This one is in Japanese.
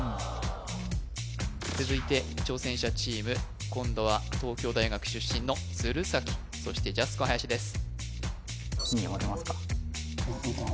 続いて挑戦者チーム今度は東京大学出身の鶴崎そしてジャスコ林です